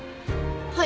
はい。